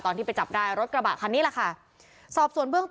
ตอนที่ไปจับได้รถกระบาตค่ะนี่แหละค่ะสอบสวนเบื้อง